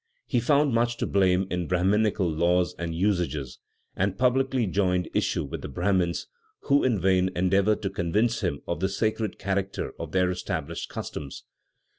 He found much to blame in Brahminical laws and usages, and publicly joined issue with the Brahmins, who in vain endeavored to convince him of the sacred character of their established customs.